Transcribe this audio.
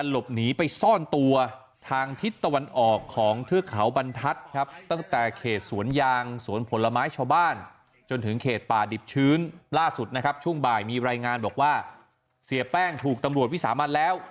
ล่าสุดนะครับช่วงบ่ายมีรายงานบอกว่าเสียแป้งถูกตำรวจวิสามันแล้ว